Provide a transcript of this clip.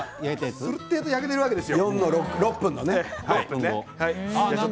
するってえと焼けているわけですよ。